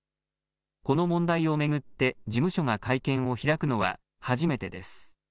この問題を巡って事務所が会見を開くのは初めてです。